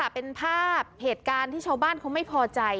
เป็นภาพเหตุการณ์ที่ชาวบ้านเขาไม่พอใจ